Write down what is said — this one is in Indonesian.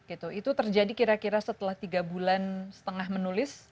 itu terjadi kira kira setelah tiga bulan setengah menulis